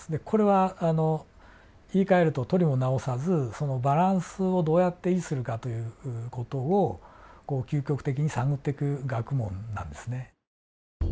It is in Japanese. これは言いかえるととりもなおさずそのバランスをどうやって維持するかという事を究極的に探っていく学問なんですね。